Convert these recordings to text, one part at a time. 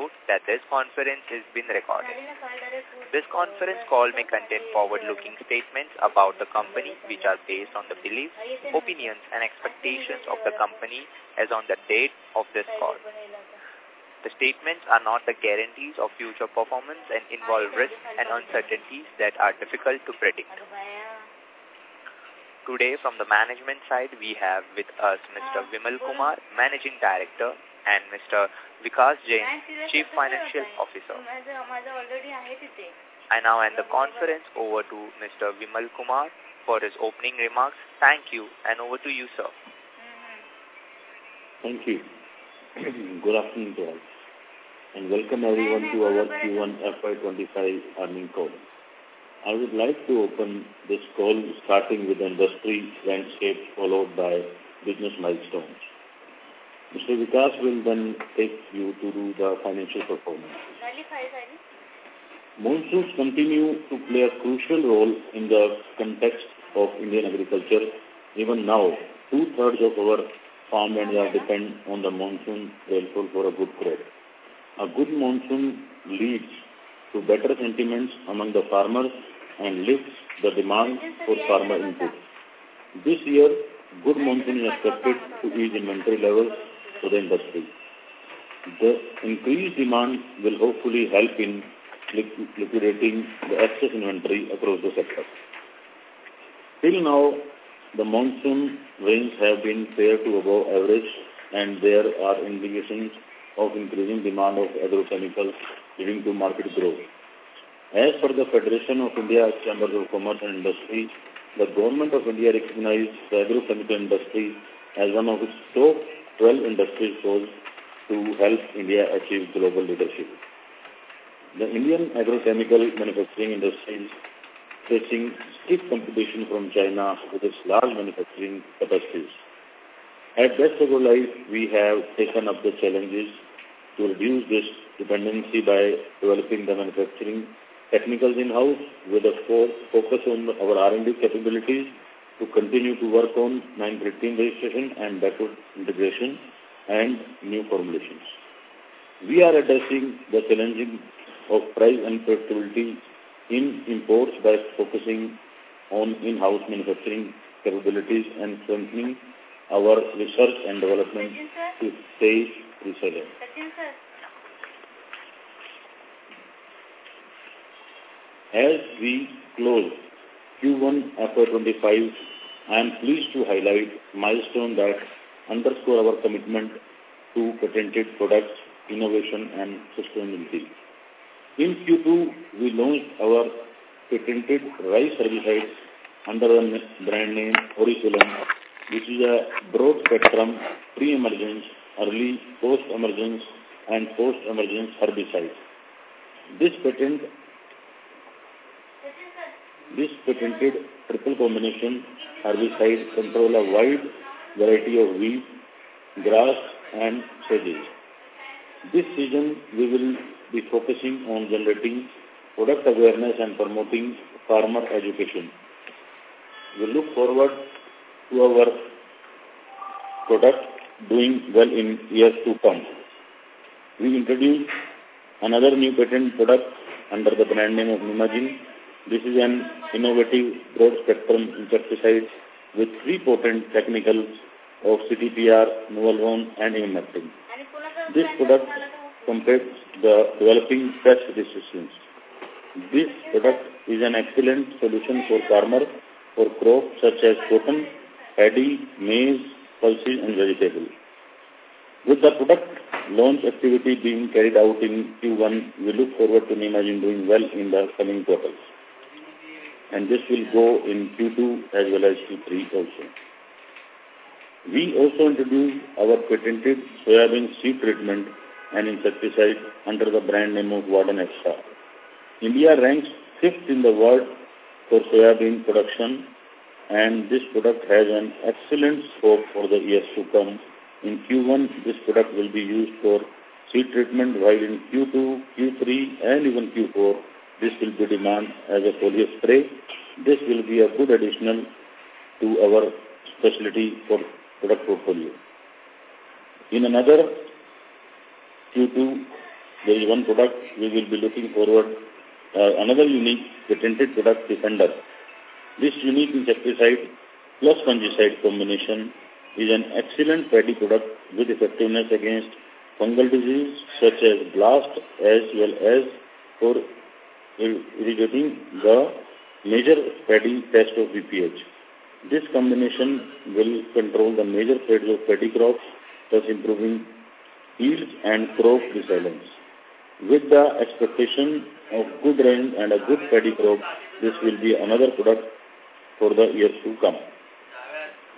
...Note that this conference is being recorded. This conference call may contain forward-looking statements about the company, which are based on the beliefs, opinions, and expectations of the company as on the date of this call. The statements are not the guarantees of future performance and involve risks and uncertainties that are difficult to predict. Today, from the management side, we have with us Mr. Vimal Kumar, Managing Director, and Mr. Vikas Jain, Chief Financial Officer. I now hand the conference over to Mr. Vimal Kumar for his opening remarks. Thank you, and over to you, sir. Thank you. Good afternoon to all, and welcome everyone to our Q1 FY25 earnings call. I would like to open this call, starting with the industry landscape, followed by business milestones. Mr. Vikas will then take you through the financial performance. Monsoons continue to play a crucial role in the context of Indian agriculture. Even now, two-thirds of our farmland are dependent on the monsoon rainfall for a good crop. A good monsoon leads to better sentiments among the farmers and lifts the demand for farmer inputs. This year, good monsoon is expected to ease inventory levels for the industry. The increased demand will hopefully help in liquidating the excess inventory across the sector. Till now, the monsoon rains have been fair to above average, and there are indications of increasing demand of agrochemicals leading to market growth. As for the Federation of Indian Chambers of Commerce & Industry, the Government of India recognized the agrochemical industry as one of its top 12 industry goals to help India achieve global leadership. The Indian agrochemical manufacturing industry is facing stiff competition from China with its large manufacturing capacities. At Best Agrolife, we have taken up the challenges to reduce this dependency by developing the manufacturing technicals in-house, with a strong focus on our R&D capabilities to continue to work on Section 9(3) registration and backward integration and new formulations. We are addressing the challenges of price and profitability in imports by focusing on in-house manufacturing capabilities and strengthening our research and development to stay resilient. As we close Q1 FY25, I am pleased to highlight milestones that underscore our commitment to patented products, innovation, and sustainability. In Q2, we launched our patented rice herbicide under the brand name Orisulam, which is a broad-spectrum pre-emergence, early post-emergence, and post-emergence herbicide. This patented triple combination herbicide controls a wide variety of weeds, grasses, and sedges. This season, we will be focusing on generating product awareness and promoting farmer education. We look forward to our product doing well in years to come. We introduced another new patented product under the brand name of Nemagen. This is an innovative, broad-spectrum insecticide with three potent technicals of Chlorantraniliprole, Novaluron, and Emamectin Benzoate. This product combats the developing pest resistance. This product is an excellent solution for farmers, for crops such as cotton, paddy, maize, pulses, and vegetables. With the product launch activity being carried out in Q1, we look forward to Nemagen doing well in the coming quarters, and this will go in Q2 as well as Q3 also. We also introduced our patented soybean seed treatment and insecticide under the brand name of Warden Extra. India ranks fifth in the world for soybean production, and this product has an excellent score for the years to come. In Q1, this product will be used for seed treatment, while in Q2, Q3, and even Q4, this will be demand as a foliar spray. This will be a good addition to our specialty for product portfolio. In another Q2, there is one product we will be looking forward, another unique patented product, Defender. This unique insecticide plus fungicide combination is an excellent paddy product with effectiveness against fungal disease such as blast, as well as for reducing the major paddy pest of BPH. This combination will control the major threats of paddy crops, thus improving yields and crop resilience. With the expectation of good rain and a good paddy crop, this will be another product for the years to come.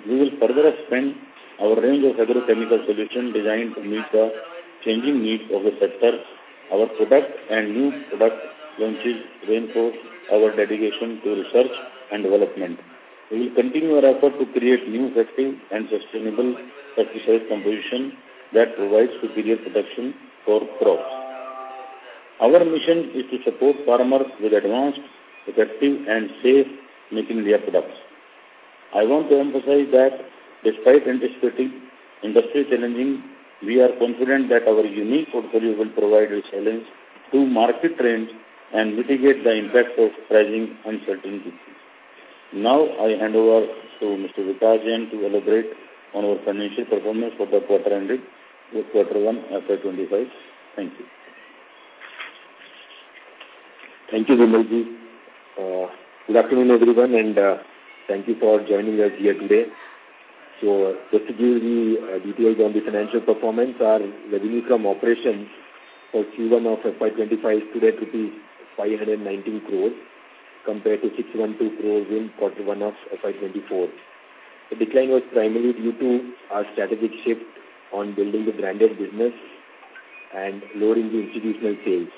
We will further expand our range of agrochemical solutions designed to meet the changing needs of the sector. Our product and new product launches reinforce our dedication to research and development. We will continue our effort to create new, effective, and sustainable pesticide composition that provides superior protection for crops.... Our mission is to support farmers with advanced, effective, and safe nicotine-related products. I want to emphasize that despite anticipating industry challenges, we are confident that our unique portfolio will provide resilience to market trends and mitigate the impact of pricing uncertainty. Now I hand over to Mr. Vikas Jain to elaborate on our financial performance for the quarter ending with Q1 FY25. Thank you. Thank you, Vimal Ji. Good afternoon, everyone, and thank you for joining us here today. So just to give the details on the financial performance, our revenue from operations for Q1 of FY 2025 stood at rupees 519 crores, compared to 612 crores in Quarter One of FY 2024. The decline was primarily due to our strategic shift on building the branded business and lowering the institutional sales.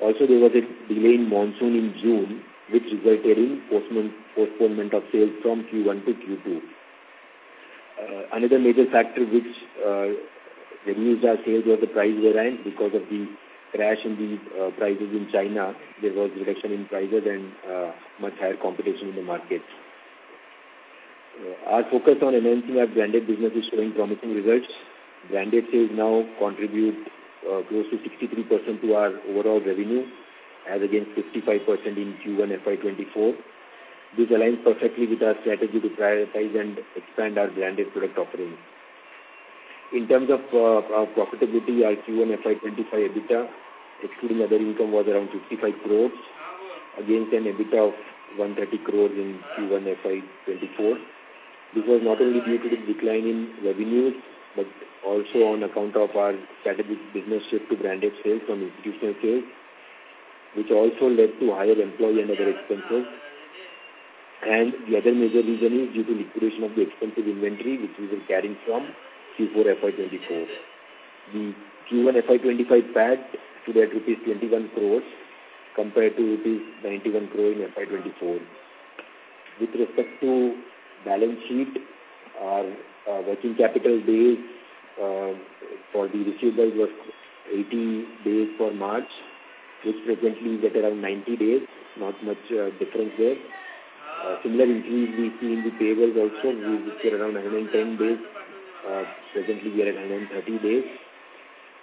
Also, there was a delay in monsoon in June, which resulted in postponement of sales from Q1 to Q2. Another major factor which reduced our sales was the price variance. Because of the crash in the prices in China, there was reduction in prices and much higher competition in the market. Our focus on enhancing our branded business is showing promising results. Branded sales now contribute close to 63% to our overall revenue, as against 55% in Q1 FY 2024. This aligns perfectly with our strategy to prioritize and expand our branded product offerings. In terms of our profitability, our Q1 FY 2025 EBITDA, excluding other income, was around 55 crore, against an EBITDA of 130 crore in Q1 FY 2024. This was not only due to the decline in revenues, but also on account of our strategic business shift to branded sales from institutional sales, which also led to higher employee and other expenses. And the other major reason is due to liquidation of the expensive inventory, which we were carrying from Q4 FY 2024. The Q1 FY 2025 PAT stood at rupees 21 crore compared to rupees 91 crore in FY 2024. With respect to balance sheet, our working capital days for the receivables was 80 days for March, which presently is at around 90 days. Not much difference there. Similar increase we see in the payables also, which were around 110 days. Presently, we are at 130 days.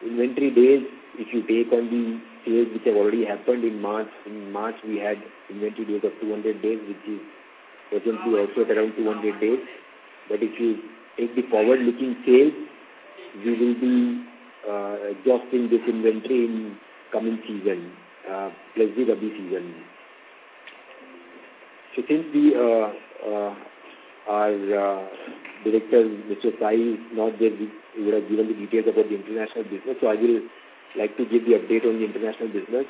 Inventory days, if you take on the sales which have already happened in March, in March, we had inventory days of 200 days, which is presently also around 200 days. But if you take the forward-looking sales, we will be exhausting this inventory in coming season, plus the Rabi season. So since our director, Mr. Sai, is not there, he would have given the details about the international business, so I will like to give the update on the international business.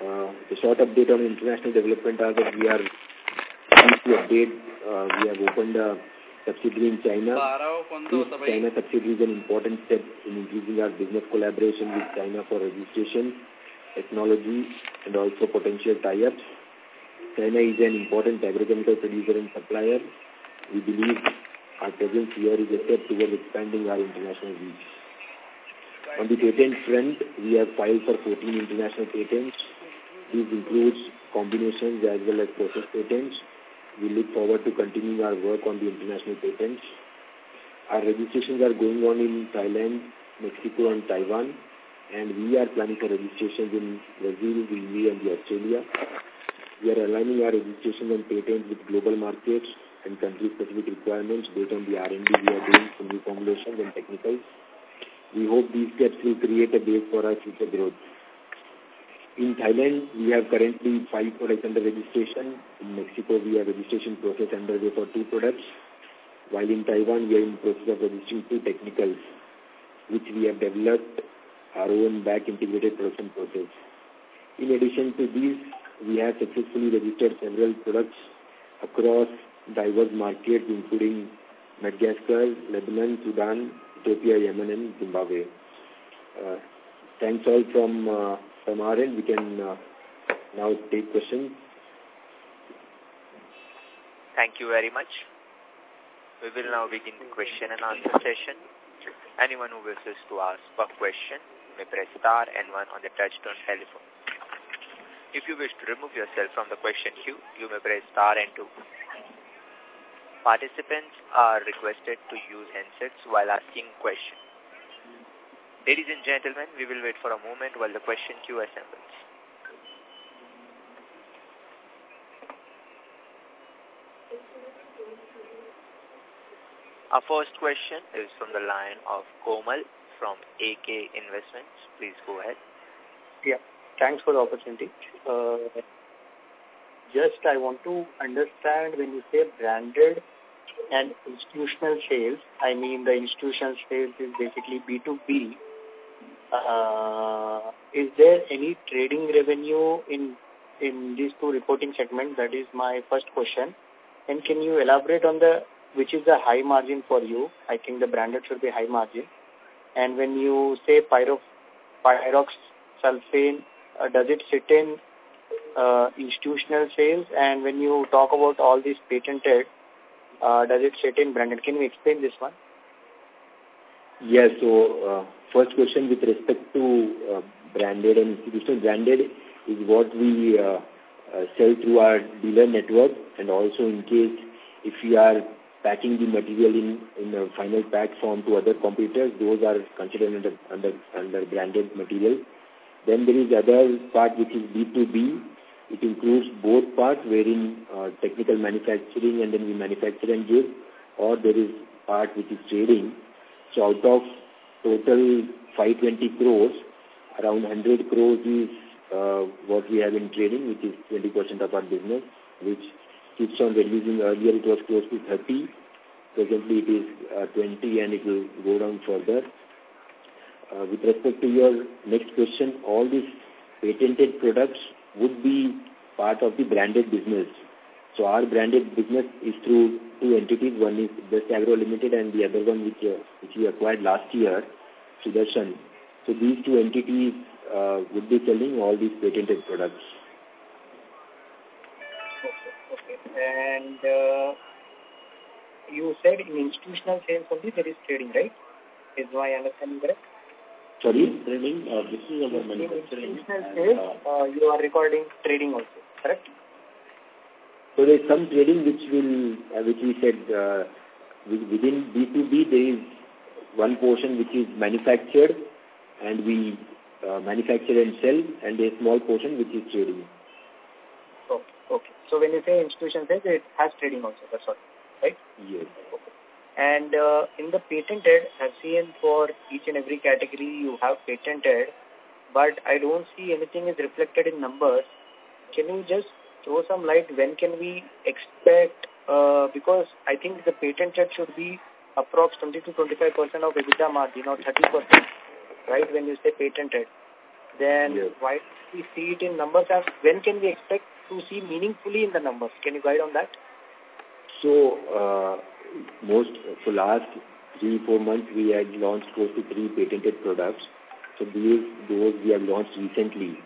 The short update on international development are that we are pleased to update, we have opened a subsidiary in China. This China subsidiary is an important step in increasing our business collaboration with China for registration, technology, and also potential tie-ups. China is an important agrochemical producer and supplier. We believe our presence here is a step towards expanding our international reach. On the patent front, we have filed for 14 international patents. This includes combinations as well as process patents. We look forward to continuing our work on the international patents. Our registrations are going on in Thailand, Mexico, and Taiwan, and we are planning for registrations in Brazil, India, and Australia. We are aligning our registrations and patents with global markets and country-specific requirements based on the R&D we are doing in new formulations and technicals. We hope these steps will create a base for our future growth. In Thailand, we have currently five products under registration. In Mexico, we have registration process underway for two products, while in Taiwan, we are in the process of registering two technicals, which we have developed our own backward-integrated processing process. In addition to this, we have successfully registered several products across diverse markets, including Madagascar, Lebanon, Sudan, Ethiopia, Yemen, and Zimbabwe. Thanks all from from our end. We can now take questions. Thank you very much. We will now begin the question and answer session. Anyone who wishes to ask a question, may press star and one on the touchtone telephone. If you wish to remove yourself from the question queue, you may press star and two. Participants are requested to use handsets while asking questions. Ladies and gentlemen, we will wait for a moment while the question queue assembles. Our first question is from the line of Komal from AK Investments. Please go ahead. Yeah, thanks for the opportunity. Just I want to understand, when you say branded and institutional sales, I mean, the institutional sales is basically B2B. Is there any trading revenue in these two reporting segments? That is my first question. And can you elaborate on the...which is the high margin for you? I think the branded should be high margin. And when you say pyroxasulfone, does it sit in institutional sales? And when you talk about all these patented, does it sit in branded? Can you explain this one?... Yes. So, first question with respect to branded and institutional branded is what we sell through our dealer network. And also in case, if we are packing the material in a final pack form to other competitors, those are considered under branded material. Then there is other part, which is B2B. It includes both parts, wherein technical manufacturing and then we manufacture and give, or there is part which is trading. So out of total 520 crore, around 100 crore is what we have in trading, which is 20% of our business, which keeps on reducing. Earlier, it was close to 30. Presently, it is 20, and it will go down further. With respect to your next question, all these patented products would be part of the branded business. So our branded business is through two entities. One is Best Agrolife Limited, and the other one, which we acquired last year, Sudarshan. So these two entities would be selling all these patented products. Okay, okay. You said in institutional sales only there is trading, right? Is my understanding correct? Sorry, trading, this is our manufacturing and, Institutional sales, you are recording trading also, correct? So there's some trading which will, which we said, within B2B, there is one portion which is manufactured, and we manufacture and sell, and a small portion which is trading. Okay, okay. So when you say institutional sales, it has trading also, that's all, right? Yes. Okay. In the patented, I've seen for each and every category you have patented, but I don't see anything is reflected in numbers. Can you just throw some light when can we expect... Because I think the patented should be approx 20%-25% of EBITDA margin, or 30%, right, when you say patented. Yes. Then, why we see it in numbers as? When can we expect to see meaningfully in the numbers? Can you guide on that? So, most, for last three, four months, we had launched close to three patented products. So these, those we have launched recently.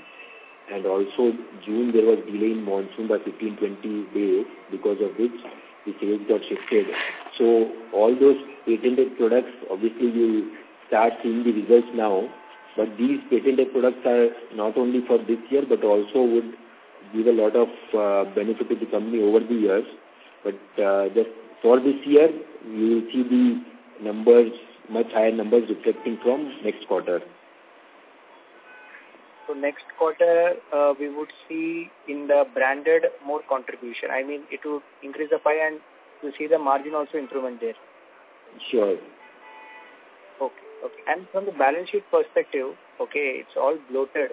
And also, June, there was delay in monsoon by 15, 20 days, because of which the sales got shifted. So all those patented products, obviously, we'll start seeing the results now. But these patented products are not only for this year, but also would give a lot of, benefit to the company over the years. But, just for this year, we will see the numbers, much higher numbers reflecting from next quarter. So next quarter, we would see in the branded more contribution. I mean, it will increase the PI, and we'll see the margin also improvement there. Sure. Okay, okay. And from the balance sheet perspective, okay, it's all bloated.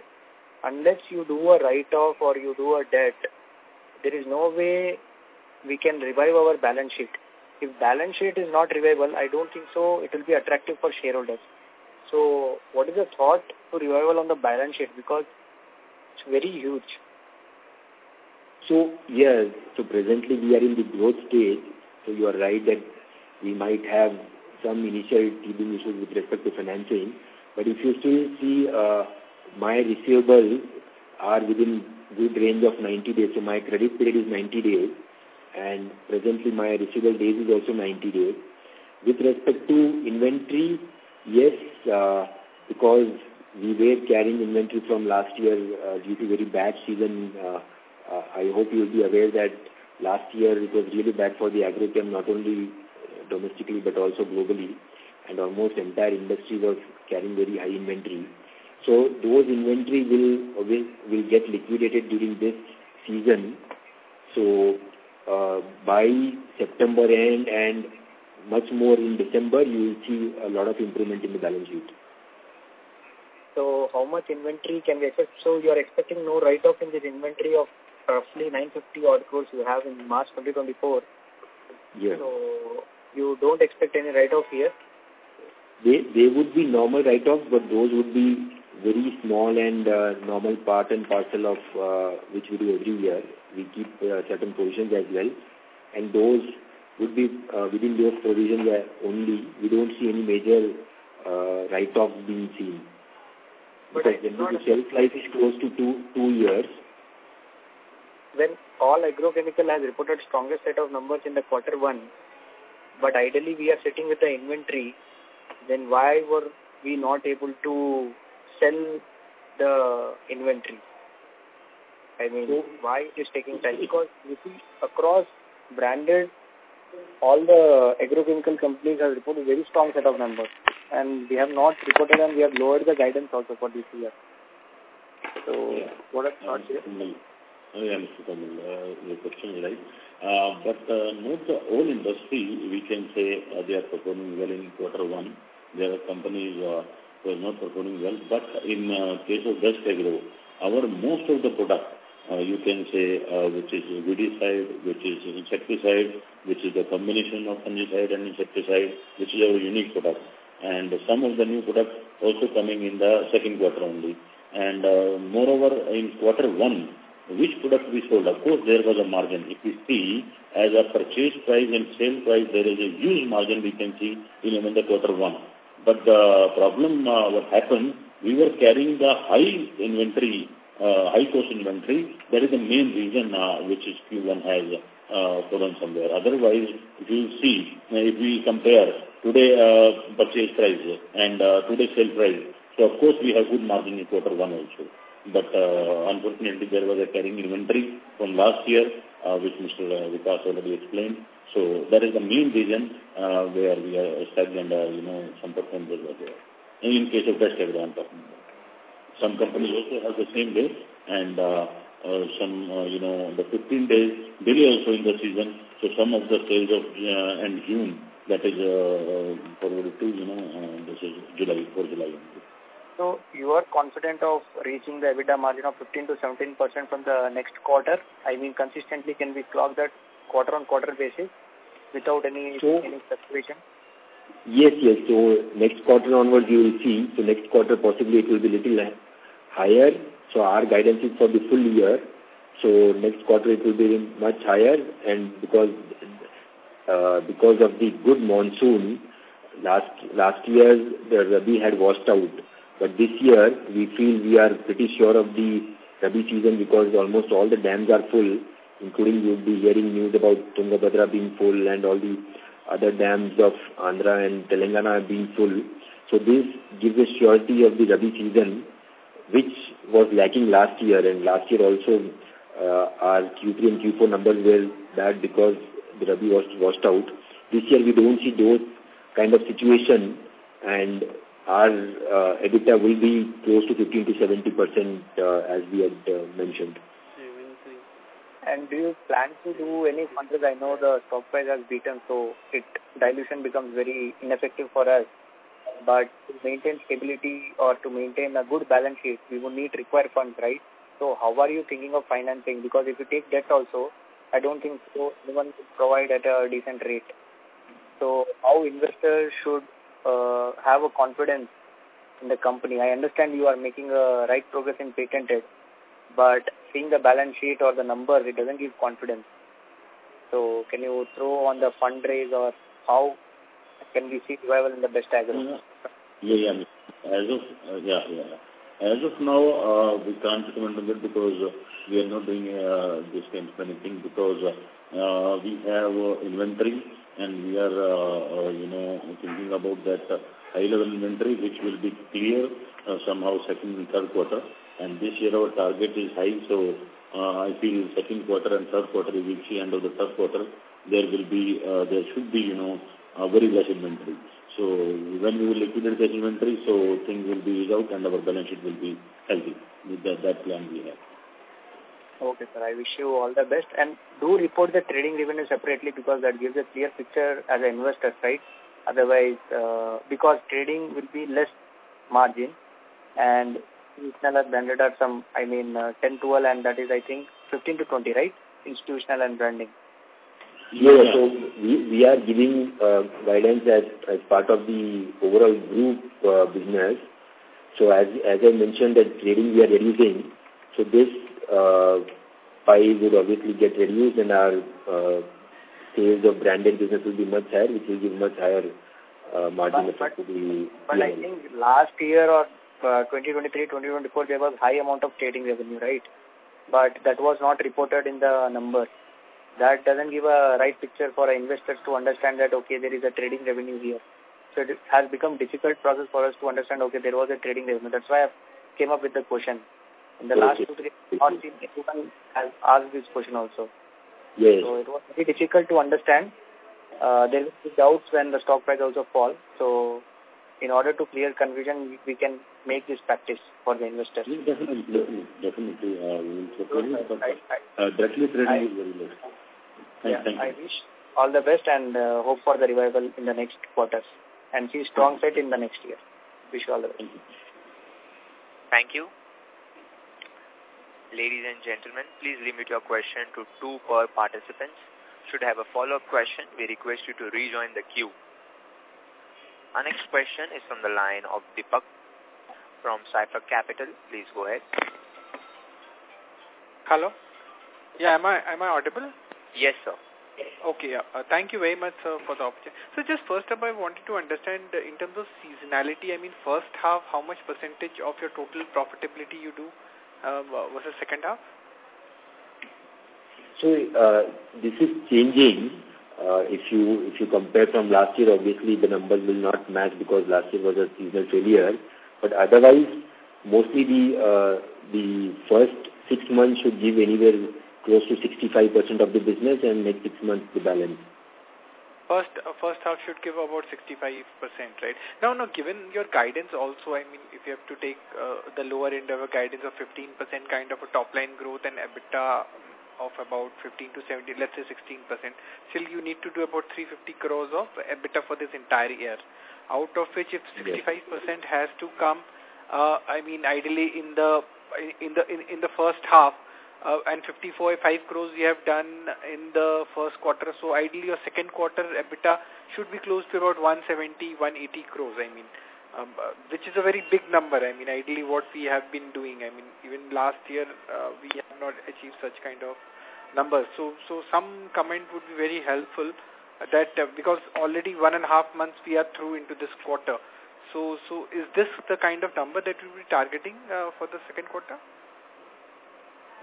Unless you do a write-off or you do a debt, there is no way we can revive our balance sheet. If balance sheet is not revivable, I don't think so it will be attractive for shareholders. So what is the thought for revival on the balance sheet? Because it's very huge. So yes, so presently, we are in the growth stage. So you are right that we might have some initial teething issues with respect to financing. But if you still see, my receivables are within good range of 90 days. So my credit period is 90 days, and presently, my receivable days is also 90 days. With respect to inventory, yes, because we were carrying inventory from last year, due to very bad season, I hope you'll be aware that last year it was really bad for the agrochem, not only domestically, but also globally, and almost entire industry was carrying very high inventory. So those inventory will get liquidated during this season. So, by September end and much more in December, you will see a lot of improvement in the balance sheet. How much inventory can we expect? You are expecting no write-off in this inventory of roughly 950 crore you have in March 2024. Yes. You don't expect any write-off here? There would be normal write-off, but those would be very small and normal part and parcel of which we do every year. We keep certain provisions as well, and those would be within those provisions where only we don't see any major write-offs being seen. But I thought- Because generally, the shelf life is close to 2, 2 years. When all agrochemicals have reported strongest set of numbers in the quarter one, but ideally, we are sitting with the inventory, then why were we not able to sell the inventory? I mean- So-... Why is it taking time? Because we see across branded, all the agrochemical companies have reported very strong set of numbers, and we have not reported and we have lowered the guidance also for this year. So what are the thoughts here? Yeah, I understand, your question is right. But, not the whole industry, we can say, they are performing well in quarter one. There are companies, who are not performing well. But in, case of Best Agro, our most of the product, you can say, which is weedicide, which is insecticide, which is a combination of fungicide and insecticide, which is our unique product, and some of the new products also coming in the second quarter only. And, moreover, in quarter one, which product we sold? Of course, there was a margin. If you see, as a purchase price and sale price, there is a huge margin we can see even in the quarter one. But the problem, what happened, we were carrying the high inventory, high cost inventory. That is the main reason, which is Q1 has fallen short. Otherwise, you will see, if we compare today, purchase price and today's sale price, so of course, we have good margin in quarter one also. But unfortunately, there was a carrying inventory from last year, which Mr. Vikas already explained. So that is the main reason, where we are stuck and, you know, some performance was there. In case of Best Agrolife I'm talking about. Some companies also have the same base, and some, you know, the 15 days delay also in the season, so some of the sales of in June, that is, forward to, you know, this is July, for July only. So you are confident of reaching the EBITDA margin of 15%-17% from the next quarter? I mean, consistently, can we clock that quarter-on-quarter basis without any- So- -any fluctuation? Yes, yes. So next quarter onwards, you will see. So next quarter, possibly it will be little higher. So our guidance is for the full year. So next quarter it will be much higher and because, because of the good monsoon, last year, the Rabi had washed out. But this year, we feel we are pretty sure of the Rabi season because almost all the dams are full, including you would be hearing news about Tungabhadra being full and all the other dams of Andhra and Telangana being full. So this gives a surety of the Rabi season, which was lacking last year, and last year also, our Q3 and Q4 numbers were bad because the Rabi was washed out. This year, we don't see those kind of situation, and our EBITDA will be close to 15%-17%, as we had mentioned. Do you plan to do any funds? I know the stock price has beaten, so it, dilution becomes very ineffective for us. But to maintain stability or to maintain a good balance sheet, we will need required funds, right? So how are you thinking of financing? Because if you take debt also, I don't think so anyone could provide at a decent rate. So how investors should have a confidence in the company? I understand you are making a right progress in patented, but seeing the balance sheet or the number, it doesn't give confidence. So can you throw on the fundraise or how can we see revival in the Best Agrolife? Yeah, yeah. As of, yeah, yeah. As of now, we can't recommend on it because we are not doing this kind of anything, because we have inventory, and we are, you know, thinking about that high-level inventory, which will be clear somehow second and third quarter. And this year, our target is high, so I feel second quarter and third quarter, you will see end of the third quarter, there will be there should be, you know, a very less inventory. So when we will liquidate the inventory, so things will be resolved and our balance sheet will be healthy. With that, that plan we have. Okay, sir. I wish you all the best. And do report the trading revenue separately, because that gives a clear picture as an investor, right? Otherwise, because trading will be less margin and institutional and branded are some, I mean, 10, 12, and that is, I think, 15-20, right? Institutional and branding. Yeah. So we are giving guidance as part of the overall group business. So as I mentioned, that trading we are reducing, so this pie would obviously get reduced and our sales of branded business will be much higher, which will give much higher margin effectively. But I think last year or 2023, 2024, there was high amount of trading revenue, right? But that was not reported in the numbers. That doesn't give a right picture for our investors to understand that, okay, there is a trading revenue here. So it has become difficult process for us to understand, okay, there was a trading revenue. That's why I came up with the question. Yes. In the last two, three, I've asked this question also. Yes. It was very difficult to understand. There will be doubts when the stock price also fall. In order to clear confusion, we can make this practice for the investors. Definitely, definitely. So trading- Right, right. That is, trading is very less. Yeah. Thank you. I wish all the best, and hope for the revival in the next quarters. Thank you. See strong fit in the next year. Wish you all the best. Thank you. Thank you. Ladies and gentlemen, please limit your question to two per participant. Should you have a follow-up question, we request you to rejoin the queue. Our next question is from the line of Deepak from Sapphire Capital. Please go ahead. Hello. Yeah, am I, am I audible? Yes, sir. Okay, yeah. Thank you very much, sir, for the opportunity. So just first up, I wanted to understand in terms of seasonality, I mean, first half, how much percentage of your total profitability you do versus second half? This is changing. If you compare from last year, obviously the numbers will not match because last year was a seasonal failure. But otherwise, mostly the first six months should give anywhere close to 65% of the business, and next six months, the balance. First, first half should give about 65%, right? Now, given your guidance also, I mean, if you have to take the lower end of a guidance of 15%, kind of a top line growth and EBITDA of about 15%-17%, let's say 16%, still you need to do about 350 crores of EBITDA for this entire year. Out of which, if- Yes. 65% has to come, I mean, ideally, in the first half, and 54.5 crores you have done in the first quarter. So ideally, your second quarter EBITDA should be close to about 170 crores-180 crores, I mean, which is a very big number. I mean, ideally, what we have been doing, I mean, even last year, we have not achieved such kind of numbers. So some comment would be very helpful at that, because already one and a half months we are through into this quarter. So is this the kind of number that you'll be targeting for the second quarter? ...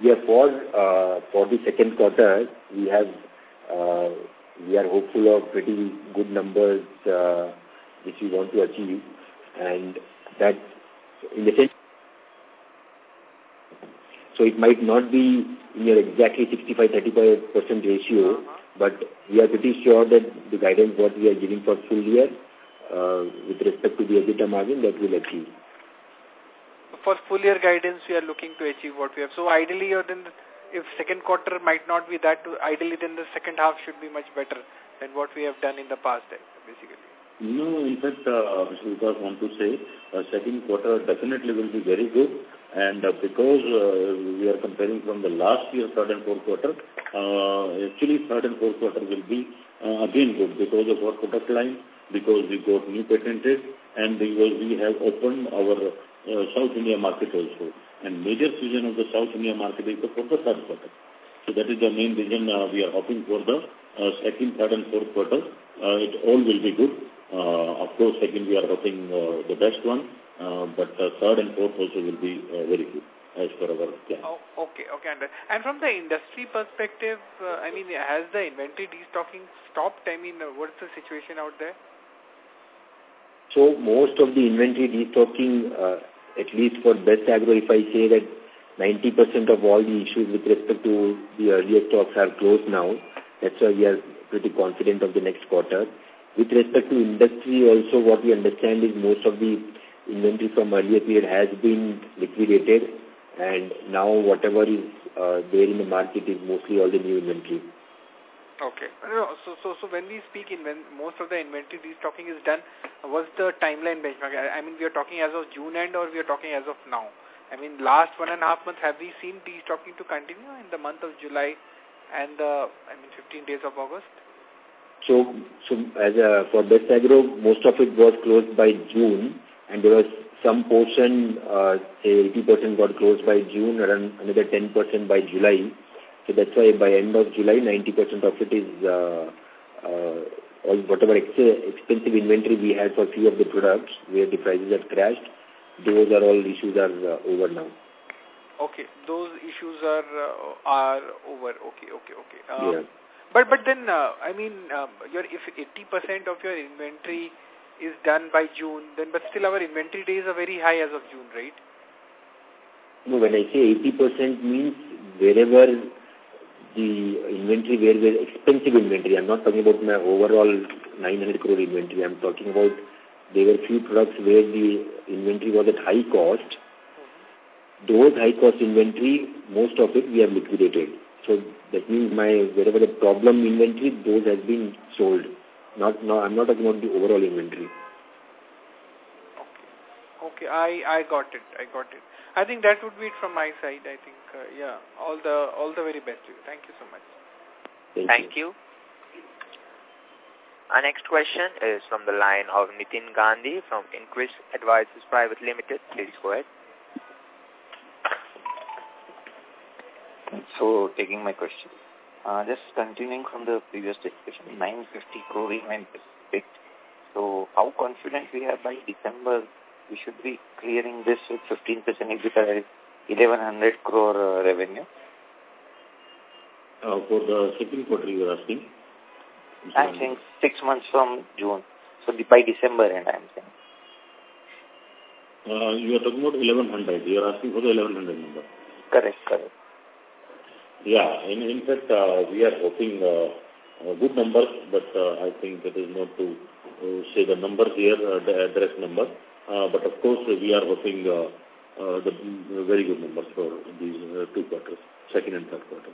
Yes, for the second quarter, we are hopeful of pretty good numbers, which we want to achieve, and that in the sense, so it might not be near exactly 65-35% ratio, but we are pretty sure that the guidance what we are giving for full year, with respect to the EBITDA margin, that we will achieve. For full year guidance, we are looking to achieve what we have. So ideally, then, if second quarter might not be that, ideally, then the second half should be much better than what we have done in the past, basically. No, in fact, I just want to say, second quarter definitely will be very good, and because we are comparing from the last year, third and fourth quarter, actually, third and fourth quarter will be, again, good because of our product line, because we got new patented, and we will, we have opened our South India market also. And major season of the South India market is the third and fourth quarter. So that is the main reason, we are hoping for the second, third, and fourth quarter. It all will be good. Of course, second, we are hoping the best one, but third and fourth also will be very good as per our plan. Oh, okay. Okay. And from the industry perspective, I mean, has the inventory destocking stopped? I mean, what is the situation out there? Most of the inventory destocking, at least for Best Agrolife, if I say that 90% of all the issues with respect to the earlier stocks are closed now, that's why we are pretty confident of the next quarter. With respect to industry also, what we understand is most of the inventory from earlier period has been liquidated, and now whatever is there in the market is mostly all the new inventory. Okay. So when we speak, inventory—most of the inventory destocking is done, what's the timeline benchmark? I mean, we are talking as of June end, or we are talking as of now? I mean, last one and a half months, have we seen destocking to continue in the month of July and, I mean, 15 days of August? So as for Best Agrolife, most of it was closed by June, and there was some portion, say 80% got closed by June and another 10% by July. So that's why by end of July, 90% of it is all whatever expensive inventory we had for few of the products where the prices had crashed; those are all issues are over now. Okay. Those issues are over. Okay, okay, okay. Yes. But then, I mean, if 80% of your inventory is done by June, then but still our inventory days are very high as of June, right? No, when I say 80%, means wherever the inventory, where were expensive inventory, I'm not talking about my overall 900 crore inventory. I'm talking about there were few products where the inventory was at high cost. Those high-cost inventory, most of it we have liquidated. So that means my, wherever the problem inventory, those has been sold. Not, no, I'm not talking about the overall inventory. Okay. Okay, I got it. I got it. I think that would be it from my side, I think. Yeah, all the very best to you. Thank you so much. Thank you. Thank you. Our next question is from the line of Nitin Gandhi from Inoquest Advisors Private Limited. Please go ahead. So taking my question. Just continuing from the previous discussion, 950 crore investment, right? So how confident we are by December we should be clearing this with 15% EBITDA, 1,100 crore revenue? For the second quarter, you are asking? I'm saying six months from June, so by December end, I am saying. You are talking about 1,100. You are asking for the 1,100 number. Correct, correct. Yeah. In fact, we are hoping a good number, but I think that is not to say the number here, the address number. But of course, we are hoping the very good numbers for these two quarters, second and third quarter.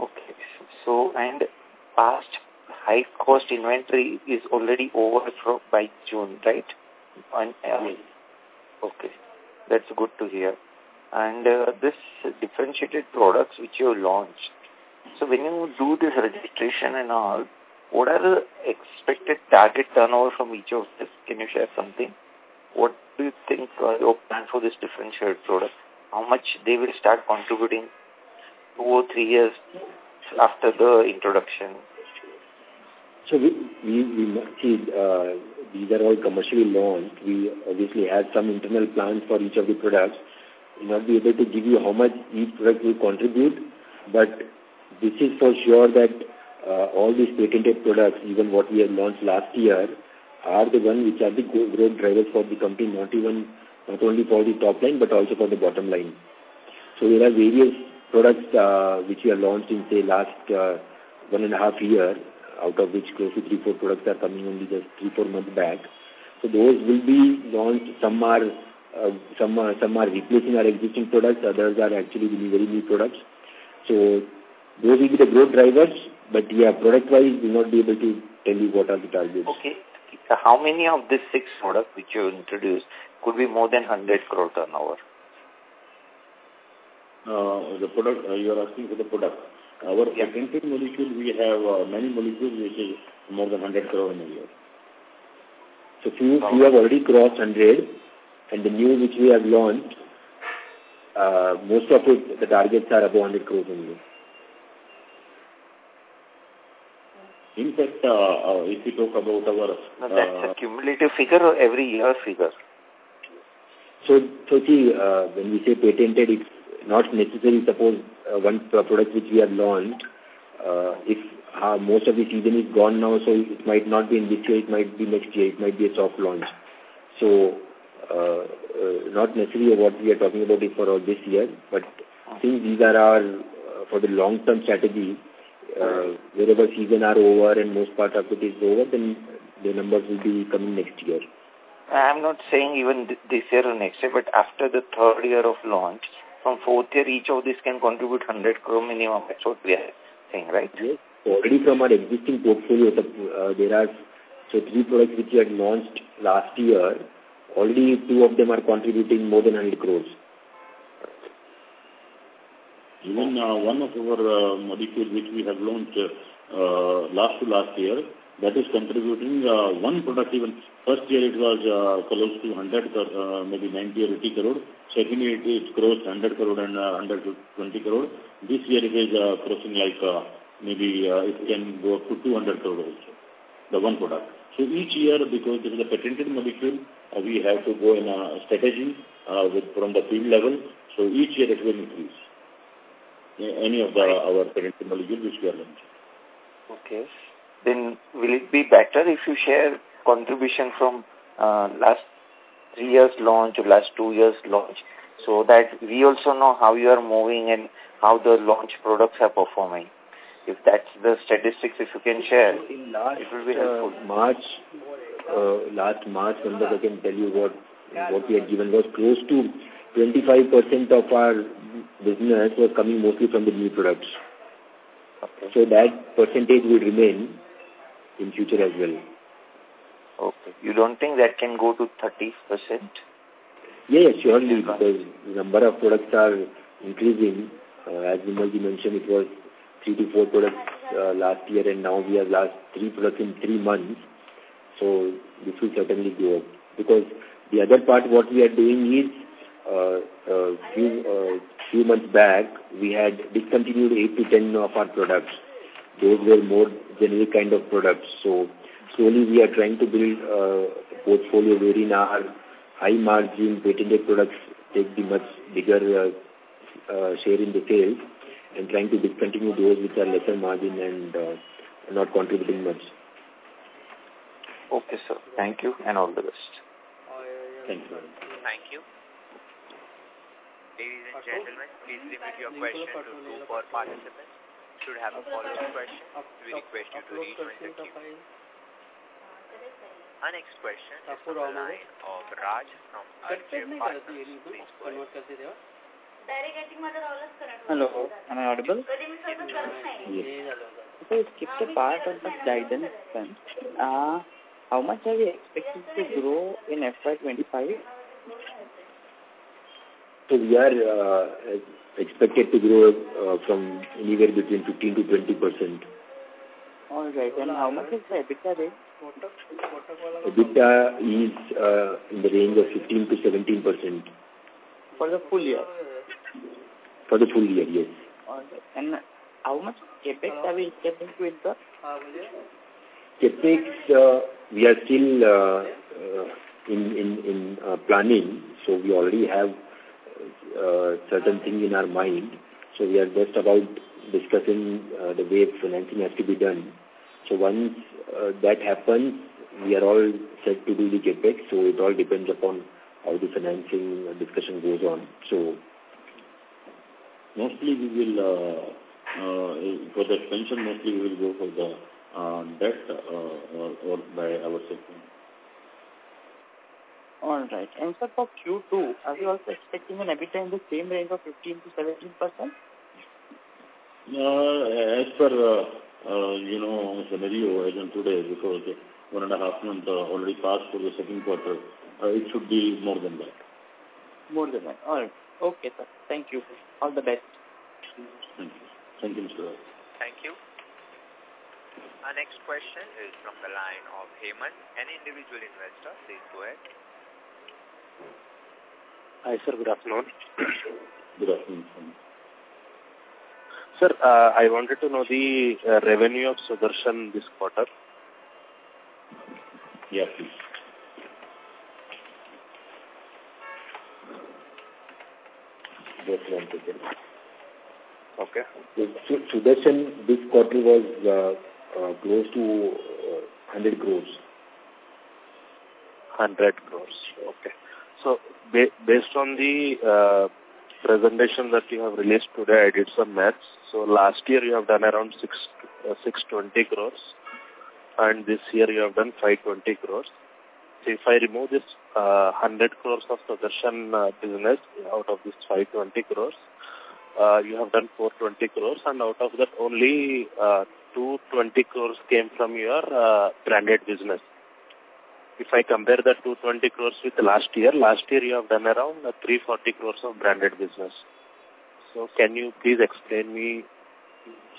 Okay. Past high-cost inventory is already over by June, right? Yes. Okay. That's good to hear. And, this differentiated products which you launched, so when you do this registration and all, what are the expected target turnover from each of this? Can you share something? What do you think are your plans for this differentiated product? How much they will start contributing two or three years after the introduction? So these are all commercially launched. We obviously have some internal plans for each of the products. We might be able to give you how much each product will contribute, but this is for sure that all these patented products, even what we have launched last year, are the one which are the go growth drivers for the company, not only for the top line, but also for the bottom line. So there are various products which we have launched in, say, last one and a half year, out of which closely three, four products are coming only just three, four months back. So those will be launched. Some are replacing our existing products, others are actually really very new products. Those will be the growth drivers, but, yeah, product-wise, we will not be able to tell you what are the targets. Okay. How many of these six products which you introduced could be more than 100 crore turnover? The product, you are asking for the product. Yeah. Our patented molecule, we have many molecules, which is more than 100 crore in a year. So far, we have already crossed 100, and the new which we have launched, most of the targets are above 100 crore revenue. In fact, if we talk about our, Now, that's a cumulative figure or every year figure? So, see, when we say patented, it's not necessary. Suppose, one product which we have launched, if most of the season is gone now, so it might not be in this year, it might be next year, it might be a soft launch. So, not necessarily what we are talking about is for all this year, but I think these are our, for the long-term strategy, wherever season are over and most part of it is over, then the numbers will be coming next year. I'm not saying even this year or next year, but after the third year of launch, from fourth year, each of these can contribute 100 crore minimum, that's what we are saying, right? Yes. Already from our existing portfolio, there are 3 products which we had launched last year, already 2 of them are contributing more than 100 crore. Even one of our molecule, which we have launched last to last year, that is contributing. One product even first year it was close to INR 100 crore, maybe INR 90 crore or INR 80 crore. Secondly, it crossed INR 100 crore and INR 120 crore. This year it is crossing like, maybe it can go up to INR 200 crore also, the one product. So each year, because this is a patented molecule, we have to go in a strategy with from the field level, so each year it will increase, any of our our patented molecule which we are launching. Okay. Then will it be better if you share contribution from last 3 years' launch or last 2 years' launch, so that we also know how you are moving and how the launch products are performing? If that's the statistics, if you can share, it will be helpful. Last March, when I can tell you what, what we had given was close to 25% of our business was coming mostly from the new products. Okay. That percentage will remain in future as well. Okay. You don't think that can go to 30%? Yes, surely, because number of products are increasing. As Vimalji mentioned, it was 3-4 products last year, and now we have launched 3 products in 3 months. So this will certainly go up. Because the other part, what we are doing is, few months back, we had discontinued 8-10 of our products. Those were more generic kind of products. So slowly, we are trying to build a portfolio where in our high margin patented products take the much bigger share in the sales, and trying to discontinue those which are lesser margin and not contributing much. Okay, sir. Thank you, and all the best. Thank you. Thank you. Ladies and gentlemen, please limit your question to two per participant. If you have a follow-up question, we request you to raise your hand again. Our next question is from the line of Raj from HDFC Securities. Hello, am I audible? Yes. To keep the part of the guidance then, how much are we expecting to grow in FY 25? We are expected to grow from anywhere between 15%-20%. All right. How much is the EBITDA then? EBITDA is in the range of 15%-17%. For the full year? For the full year, yes. All right. How much CapEx are we expecting with the...? CapEx, we are still in planning. So we already have certain thing in our mind, so we are just about discussing the way financing has to be done. So once that happens, we are all set to do the CapEx, so it all depends upon how the financing discussion goes on, so. Mostly, we will for the expansion, mostly we will go for the debt, or by our system. All right. And sir, for Q2, are we also expecting an EBITDA in the same range of 15%-17%? As per, you know, scenario as on today, because 1.5 month already passed for the second quarter, it should be more than that. More than that. All right. Okay, sir. Thank you. All the best. Thank you. Thank you, Mr. Raj. Thank you. Our next question is from the line of Hemant, an individual investor, please go ahead. Hi, sir. Good afternoon. Good afternoon. Sir, I wanted to know the revenue of Sudarshan this quarter. Yeah, please. Just one second. Okay. Sudarshan, this quarter was close to 100 crore. 100 crore, okay. So based on the presentation that you have released today, I did some math. So last year you have done around 620 crore, and this year you have done 520 crore. So if I remove this 100 crore of Sudarshan business out of this 520 crore, you have done 420 crore, and out of that only 220 crore came from your branded business. If I compare that 220 crore with last year, last year, you have done around 340 crore of branded business. So can you please explain me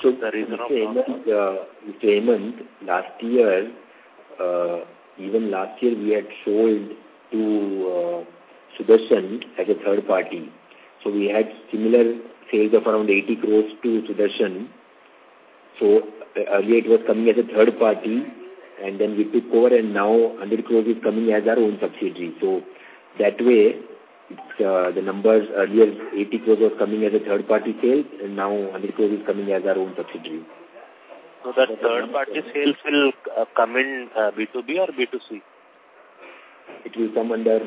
the reason of- So, Hemant, Hemant, last year even last year, we had sold to Sudarshan as a third party. So we had similar sales of around 80 crore to Sudarshan. So earlier it was coming as a third party, and then we took over, and now INR 100 crore is coming as our own subsidiary. So that way, it's the numbers, earlier 80 crore was coming as a third-party sale, and now INR 100 crore is coming as our own subsidiary. So the third-party sales will come in B2B or B2C? It will come under,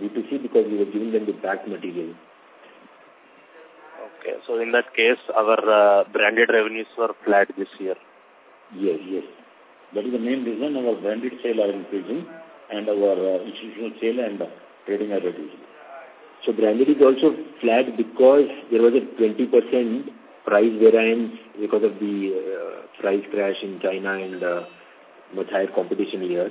B2C because we were giving them the back material. Okay. So in that case, our branded revenues were flat this year. Yes, yes. That is the main reason our branded sales are increasing and our institutional sales and trading are reducing. So branded is also flat because there was a 20% price variance because of the price crash in China and much higher competition here.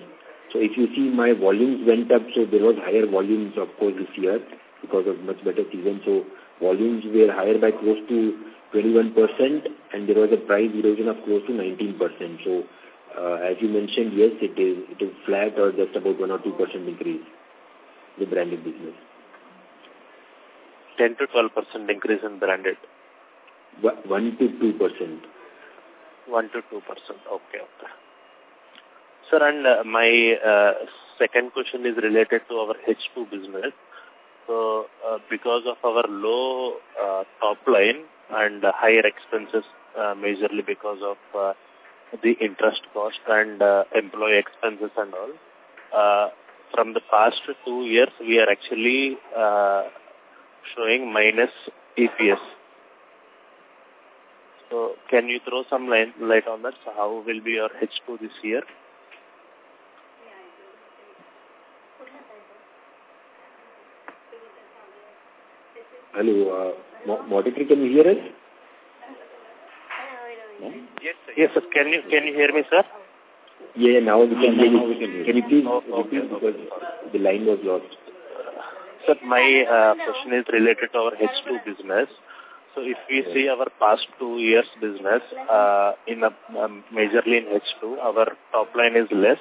So if you see my volumes went up, so there was higher volumes, of course, this year, because of much better season. So volumes were higher by close to 21%, and there was a price erosion of close to 19%. So, as you mentioned, yes, it is, it is flat or just about 1% or 2% increase in the branded business. 10%-12% increase in branded? 1%-2%. 1%-2%. Okay. Okay. Sir, and my second question is related to our H2 business. So, because of our low top line and higher expenses, majorly because of the interest cost and employee expenses and all, from the past two years, we are actually showing minus EPS. So can you throw some light on that? So how will be your H2 this year? Hello, Madhuri, can you hear us? Yes. Yes, sir. Can you, can you hear me, sir? Yeah, now we can hear you. Can you please repeat because the line was lost? Sir, my question is related to our H2 business. So if we see our past two years business, in a majorly in H2, our top line is less,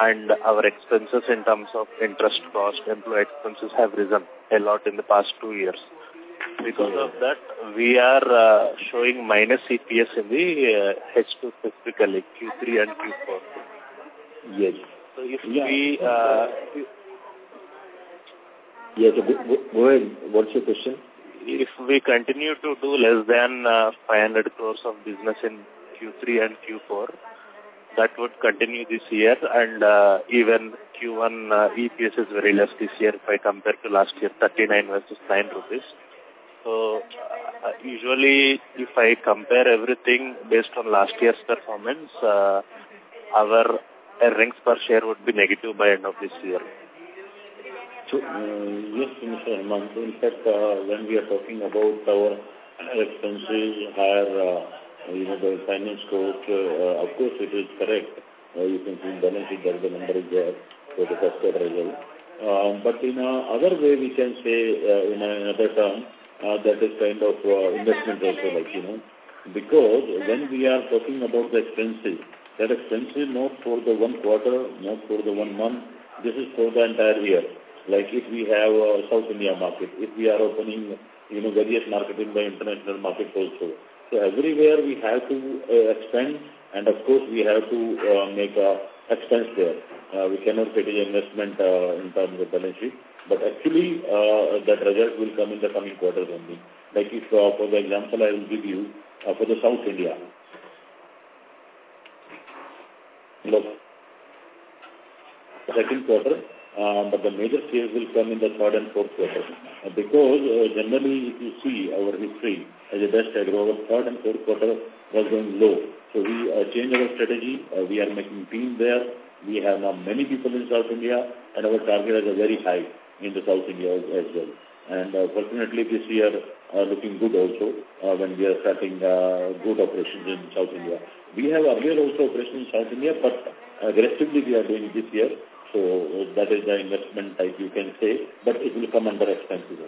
and our expenses in terms of interest cost, employee expenses, have risen a lot in the past two years. Because of that, we are showing minus EPS in the H2, specifically Q3 and Q4. Yes. So if we, Yes, go ahead. What's your question? If we continue to do less than 500 crore of business in Q3 and Q4, that would continue this year. And even Q1 EPS is very less this year if I compare to last year, 39 versus 9 rupees. So usually, if I compare everything based on last year's performance, our earnings per share would be negative by end of this year. So, yes, Hemant. In fact, when we are talking about our expenses, higher, you know, the finance cost, of course, it is correct. You can see the benefit that the number is there for the first quarter result. But in another way, we can say, in another term, that is kind of investment also, like, you know. Because when we are talking about the expenses, that expense is not for the one quarter, not for the one month, this is for the entire year. Like, if we have a South India market, if we are opening, you know, various market in the international markets also. So everywhere we have to expand, and of course, we have to make an expense there. We cannot get an investment in terms of benefit, but actually that result will come in the coming quarter only. Like if, for the example I will give you, for the South India. Look, second quarter, but the major sales will come in the third and fourth quarter. Because generally, if you see our history as a Best Agrolife, our third and fourth quarter was going low. So we change our strategy. We are making team there. We have now many people in South India, and our target is very high in the South India as well. And fortunately, this year are looking good also when we are starting good operations in South India. We have earlier also operations in South India, but aggressively we are doing this year. So that is the investment type you can say, but it will come under expensive.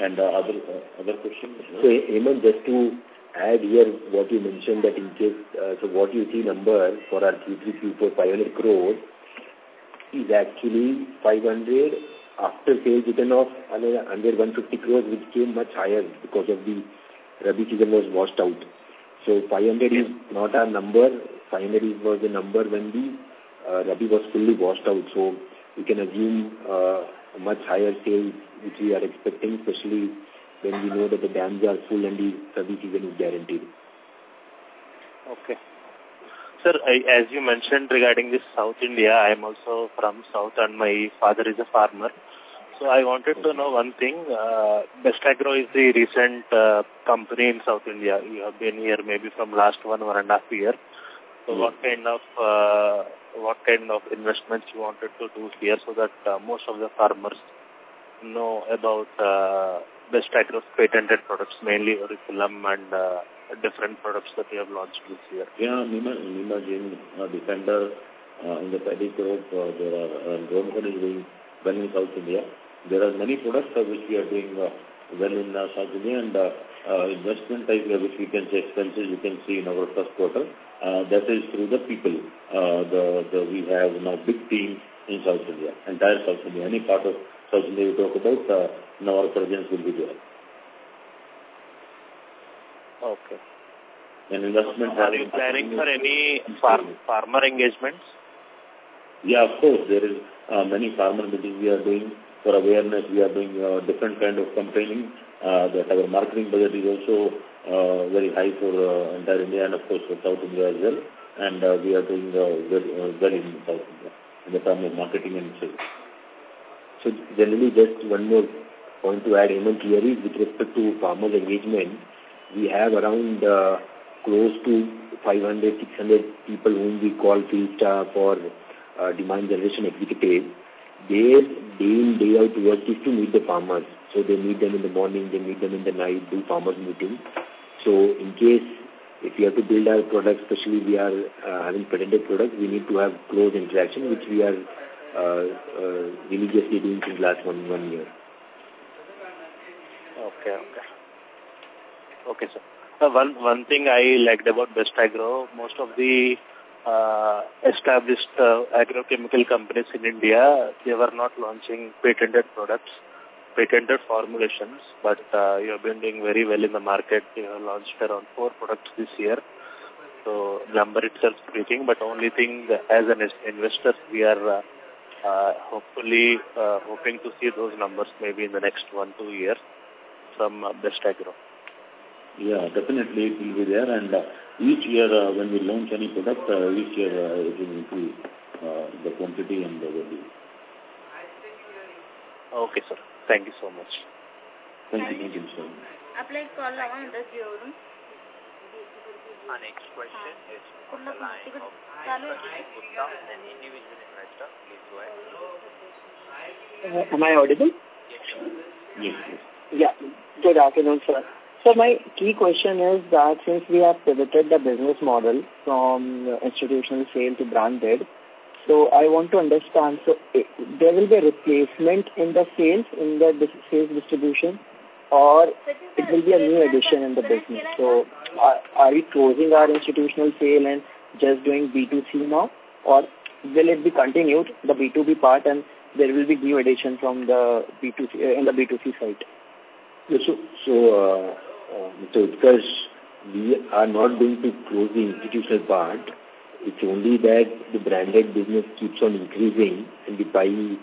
And, other question? So, Hemant, just to add here what you mentioned that in case, so what you see number for our Q3, Q4, INR 500 crore, is actually 500 crore after sales return of under 150 crore, which came much higher because of the Rabi season was washed out. So 500 crore is not our number. 500 crore was the number when the, Rabi was fully washed out. So we can assume, a much higher sale, which we are expecting, especially when we know that the dams are full and the Rabi season is guaranteed. Okay. Sir, as you mentioned regarding South India, I am also from South, and my father is a farmer. So I wanted to know one thing. Best Agrolife is the recent company in South India. You have been here maybe from last one, one and a half year. So what kind of investments you wanted to do here so that most of the farmers know about Best Agrolife's patented products, mainly Orisulam and different products that you have launched this year? Yeah, Nemagen, Nemagen, Defender in the category, there are doing well in South India. There are many products for which we are doing well in South India, and investment type, which we can say expenses, you can see in our first quarter, that is through the people. The We have now big team in South India, entire South India. Any part of South India you talk about, our presence will be there. Okay. And investment- Are you planning for any farmer engagements? Yeah, of course, there is many farmer meetings we are doing. For awareness, we are doing different kind of campaigning that our marketing budget is also very high for entire India and of course for South India as well, and we are doing very well in South India in the term of marketing and sales. So generally, just one more point to add, you know, with respect to farmer engagement, we have around close to 500, 600 people whom we call field staff for demand generation activity. They're day in, day out towards to meet the farmers. So they meet them in the morning, they meet them in the night, do farmers meeting. So in case if we have to build our product, especially we are having patented product, we need to have close interaction, which we are religiously doing since last one year. Okay. Okay. Okay, sir. One thing I liked about Best Agrolife, most of the established agrochemical companies in India, they were not launching patented products, patented formulations, but you have been doing very well in the market. You have launched around four products this year. So number itself speaking, but only thing as an investor, we are hopefully hoping to see those numbers maybe in the next one, two years from Best Agrolife. Yeah, definitely it will be there, and each year, when we launch any product, each year, it will be the quantity and the value. Okay, sir. Thank you so much. Thank you. Our next question is on the line of an individual investor. Please go ahead. Am I audible? Yes, sir. Yes. Yeah. Good afternoon, sir. So my key question is that since we have pivoted the business model from institutional sale to branded, so I want to understand. So there will be a replacement in the sales, in the distribution sales, or it will be a new addition in the business? So are we closing our institutional sale and just doing B2C now, or will it be continued, the B2B part, and there will be new addition from the B2C in the B2C side? Yeah. So because we are not going to close the institutional part, it's only that the branded business keeps on increasing, and the pie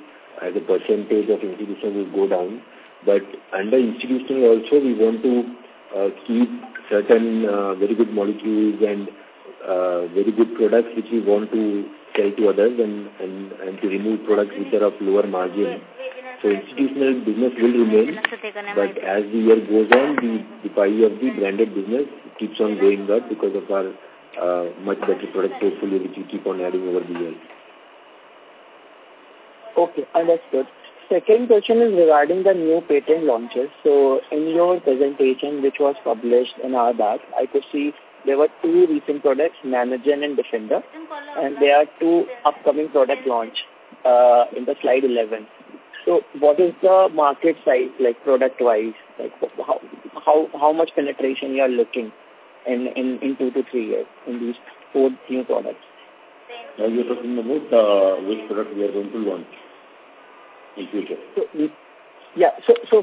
as a percentage of institutional will go down. But under institutional also, we want to keep certain very good molecules and very good products which we want to sell to others and to remove products which are of lower margin. So institutional business will remain, but as the year goes on, the pie of the branded business keeps on going up because of our much better product portfolio, which we keep on adding over the year. Okay, and that's good. Second question is regarding the new patent launches. So in your presentation, which was published in our dash, I could see there were two recent products, Nemagen and Defender, and there are two upcoming product launch in the slide 11. So what is the market size, like product wise? Like how, how, how much penetration you are looking in, in, in two to three years in these four new products? Now you're talking about, which product we are going to launch in future? So,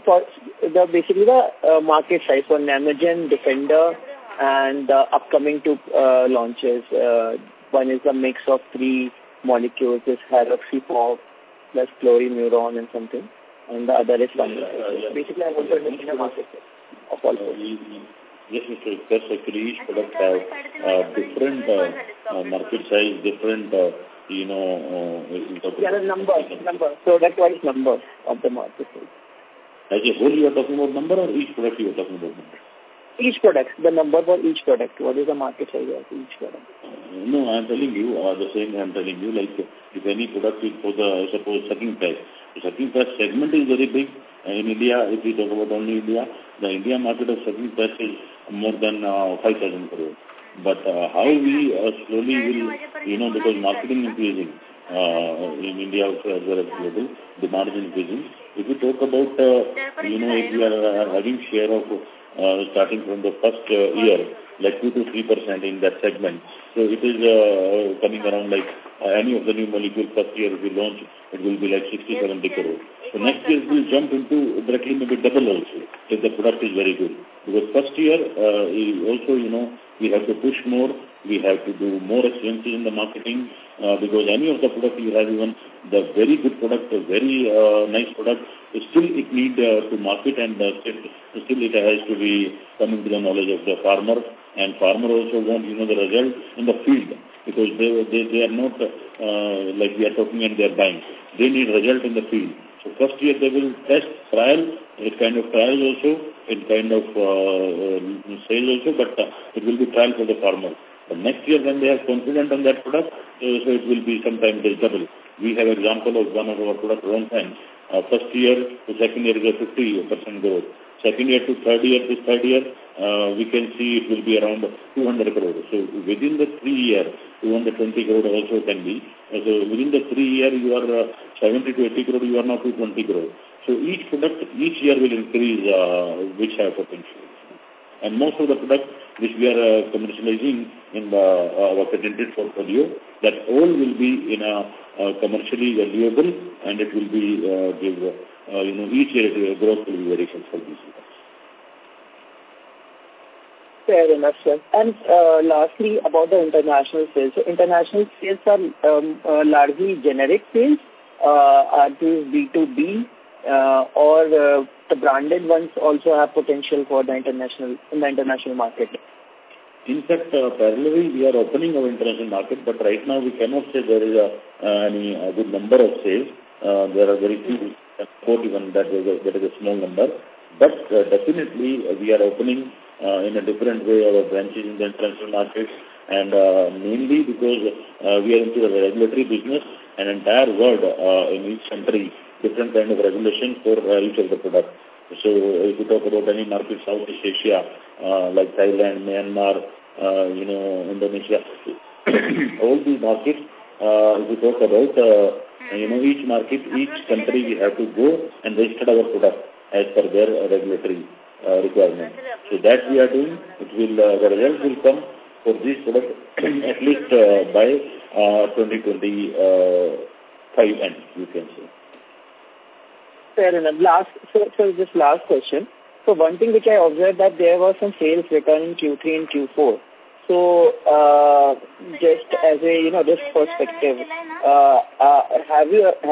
basically the market size for Nemagen, Defender, and the upcoming two launches, one is the mix of three molecules, there's herbicide plus Chlorimuron and something, and the other is... Basically, I want to know the market size of all those. Yes, Mr. Sai, each product have different market size, different, you know. Yeah, the numbers, numbers. Product-wise numbers of the market size. As a whole, you are talking about number, or each product you are talking about number? Each product, the number for each product. What is the market size of each product? No, I'm telling you, the same way I'm telling you, like, if any product is for the, suppose, second place. The second place segment is very big in India. If you talk about only India, the India market of second place is more than 5,000 crore. But, how we are slowly will, you know, because marketing increasing, in India also as well as global, the margin increasing. If you talk about, you know, if we are having share of, starting from the first, year, like 2%-3% in that segment, so it is, coming around like any of the new molecule, first year we launch, it will be like 67 crore. So next year, we'll jump into roughly maybe double also, if the product is very good. Because first year, we also, you know, we have to push more, we have to do more expenses in the marketing, because any of the product you have even the very good product, a very, nice product, still it need, to market and, still, still it has to be coming to the knowledge of the farmer. And farmer also want, you know, the result in the field, because they, they, they are not, like we are talking and they are buying. They need result in the field. So first year they will test, trial, it's kind of trial also, it's kind of, sale also, but, it will be trial for the farmer. The next year, when they are confident on that product, so it will be sometime double.... We have example of one of our product, Ronfen. First year to second year is a 50% growth. Second year to third year, this third year, we can see it will be around 200 crore. So within the three years, 220 crore also can be. So within the three years, you are 70 crore-80 crore, you are now 220 crore. So each product, each year will increase, which have potential. And most of the products which we are commercializing in our patented portfolio, that all will be in a commercially valuable, and it will be give, you know, each year growth will be very essential for these products. Fair enough, sir. Lastly, about the international sales. International sales are largely generic sales, are these B2B, or the branded ones also have potential for the international market? In fact, parallelly, we are opening our international market, but right now we cannot say there is any good number of sales. There are very few, 41, that is a small number. But definitely, we are opening in a different way our branches in the international markets, and mainly because we are into the regulatory business, and entire world in each country different kind of regulation for launch of the product. So if you talk about any market, Southeast Asia, like Thailand, Myanmar, you know, Indonesia, all these markets, if you talk about, you know, each market, each country, we have to go and register our product as per their regulatory requirement. So that we are doing, it will, the results will come for this product at least by 2025 end, you can say. Fair enough. Last question. So one thing which I observed, that there were some sales return in Q3 and Q4. So, just as a, you know, just perspective, have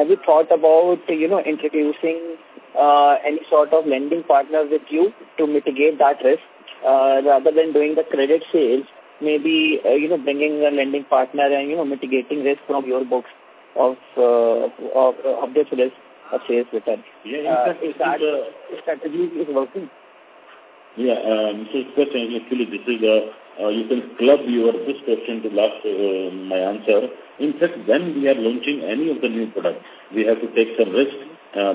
you thought about, you know, introducing any sort of lending partner with you to mitigate that risk, rather than doing the credit sales, maybe, you know, bringing a lending partner and, you know, mitigating risk from your books of the sales return? Yeah, this is the- If that strategy is working? Yeah, so this question, actually, this is, you can club your this question to last, my answer. In fact, when we are launching any of the new products, we have to take some risk,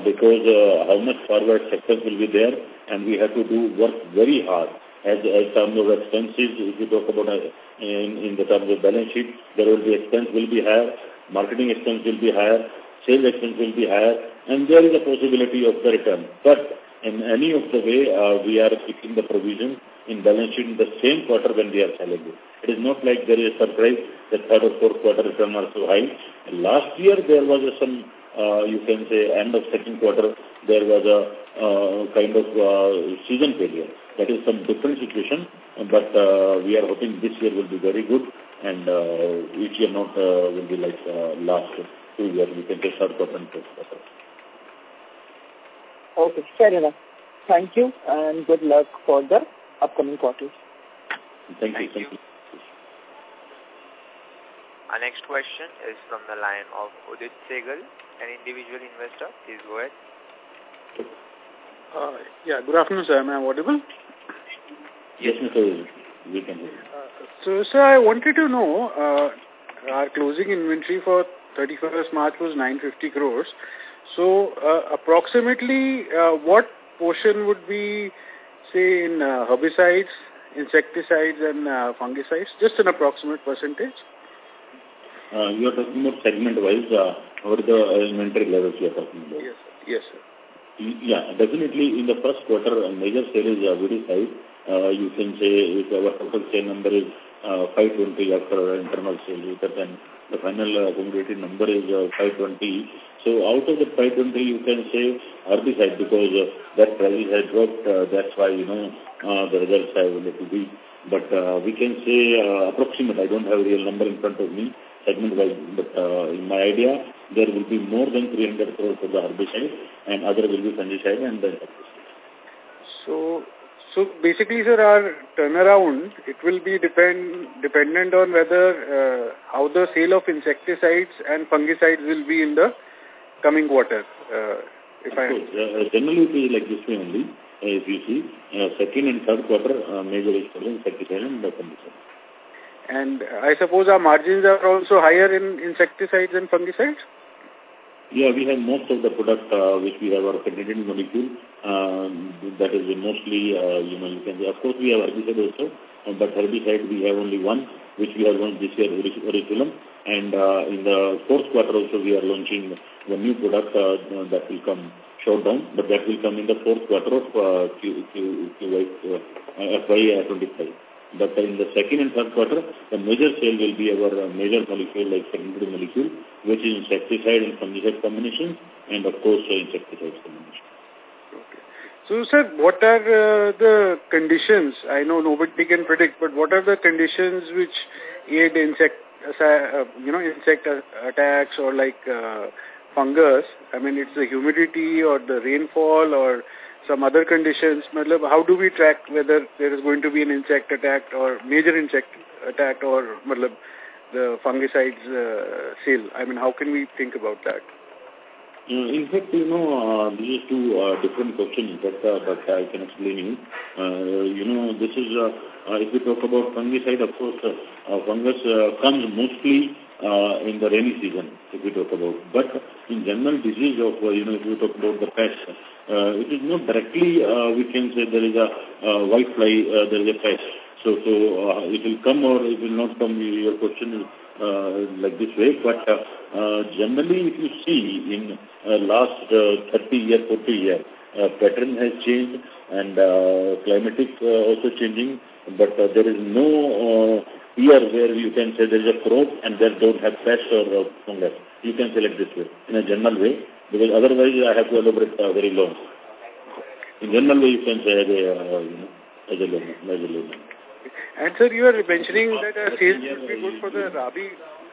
because, how much forward success will be there, and we have to do work very hard. As, as terms of expenses, if you talk about, in, in the terms of balance sheet, there will be expense will be higher, marketing expense will be higher, sales expense will be higher, and there is a possibility of the return. But in any of the way, we are keeping the provision in balance sheet in the same quarter when we are selling it. It is not like there is surprise that quarter, fourth quarter return are so high. Last year, there was some, you can say, end of second quarter, there was a, kind of, season failure. That is some different situation, but, we are hoping this year will be very good, and, each year not, will be like, last two years. We can take certain potential better. Okay, fair enough. Thank you, and good luck for the upcoming quarters. Thank you. Thank you. Our next question is from the line of Udit Sehgal, an individual investor. Please go ahead. Yeah, good afternoon, sir. Am I audible? Yes, we can hear you. So, sir, I wanted to know, our closing inventory for 31st March was 950 crore. So, approximately, what portion would be, say, in, herbicides, insecticides, and, fungicides? Just an approximate percentage. You are talking about segment-wise, or the inventory levels you are talking about? Yes. Yes, sir. Yeah, definitely, in the first quarter, major sale is herbicide. You can say if our total sale number is 520 crore after our internal sales, but then the final accumulated number is 520 crore. So out of the 520 crore, you can say herbicide, because that price has dropped, that's why, you know, the results have a little bit. But we can say approximate, I don't have a real number in front of me segment-wise, but in my idea, there will be more than 300 crore of the herbicide, and other will be fungicide and the... So, basically, sir, our turnaround, it will be depend, dependent on whether how the sale of insecticides and fungicides will be in the coming quarter, if I- Of course. Generally, it is like this way only, if you see. Second and third quarter, major is for the insecticide and the fungicide. I suppose our margins are also higher in insecticides and fungicides? Yeah, we have most of the product, which we have our patented molecule, that is mostly, you know, you can say. Of course, we have herbicide also, but herbicide, we have only one, which we have learned this year, Orisulam. And, in the fourth quarter also, we are launching the new product, that will come Shot Down, but that will come in the fourth quarter of FY25. But in the second and third quarter, the major sale will be our major molecule, like second molecule, which is insecticide and fungicide combination, and of course, the insecticides combination. Okay. So sir, what are the conditions? I know nobody can predict, but what are the conditions which aid insect, you know, insect attacks or like, fungus? I mean, it's the humidity or the rainfall or some other conditions. How do we track whether there is going to be an insect attack or major insect attack or the fungicides sale? I mean, how can we think about that? ...In fact, you know, these two are different questions, but, but I can explain you. You know, this is, if you talk about fungicide, of course, fungus comes mostly in the rainy season, if you talk about. But in general, disease of, you know, if you talk about the pest, it is not directly, we can say there is a white fly, there is a pest. So, it will come or it will not come, your question is like this way, but generally, if you see in last 30 year, 40 year, pattern has changed and climatic also changing, but there is no year where you can say there is a growth and then don't have pest or fungus. You can say like this way, in a general way, because otherwise I have to elaborate, very long. Generally, you can say, you know, as a learning, as a learning. Sir, you are mentioning that sales will be good for the Rabi.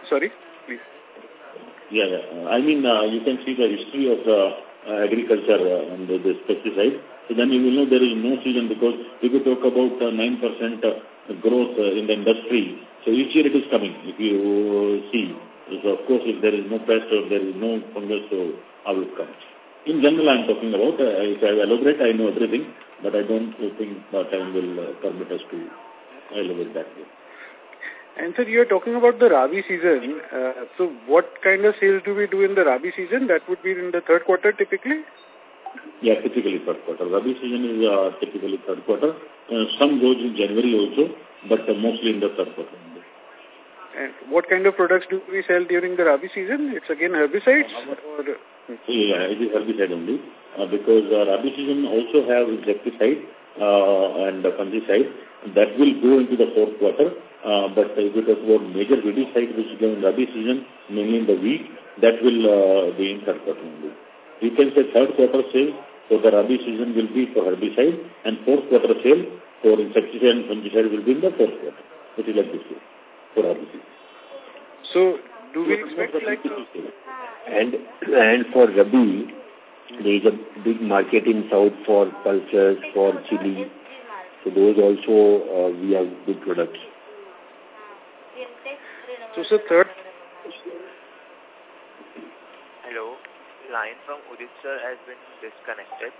Sorry, please. Yeah, yeah. I mean, you can see the history of agriculture and the pesticide. So then you will know there is no season, because if you talk about 9% of growth in the industry, so each year it is coming, if you see. Because, of course, if there is no pest or there is no fungus, so how it comes? In general, I'm talking about, if I elaborate, I know everything, but I don't think the time will permit us to elaborate that way. Sir, you are talking about the Rabi season. So what kind of sales do we do in the Rabi season? That would be in the third quarter, typically? Yeah, typically third quarter. Rabi season is typically third quarter. Some goes in January also, but mostly in the third quarter. What kind of products do we sell during the Rabi season? It's again, herbicides or- Yeah, it's herbicide only. Because our Rabi season also have insecticide, and the fungicide, that will go into the fourth quarter. But if you talk about major weedicide, which is going in Rabi season, mainly in the wheat, that will be in third quarter only. You can say third quarter sale for the Rabi season will be for herbicide, and fourth quarter sale for insecticide and fungicide will be in the fourth quarter. It is like this way, for Rabi season. So do we expect, like- And for Rabi, there is a big market in South for pulses, for chili. So those also, we have good products. So, third- Hello, line from Udit, sir, has been disconnected.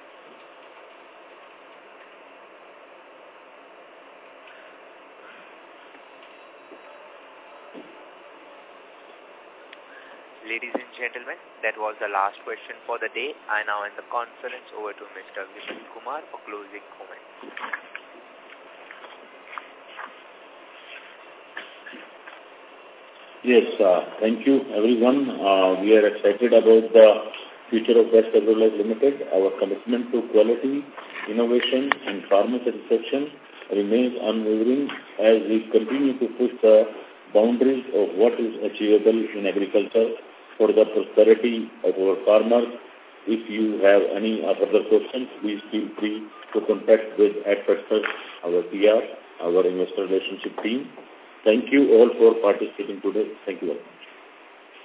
Ladies and gentlemen, that was the last question for the day. I now hand the conference over to Mr. Vimal Kumar for closing comments. Yes, thank you, everyone. We are excited about the future of Best Agrolife Limited. Our commitment to quality, innovation, and farmer satisfaction remains unwavering as we continue to push the boundaries of what is achievable in agriculture for the prosperity of our farmers. If you have any further questions, please feel free to contact with Ernst & Young, our PR, our investor relationship team. Thank you all for participating today. Thank you very much.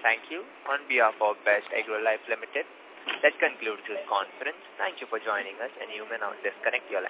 Thank you. On behalf of Best Agrolife Limited, that concludes this conference. Thank you for joining us, and you may now disconnect your lines.